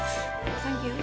サンキュー。